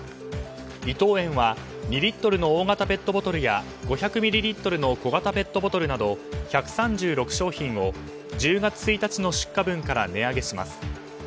伊藤園は２リットルの大型ペットボトルや５００ミリリットルの小型ペットボトルなど１３６商品を１０月１日の出荷分から値上げします。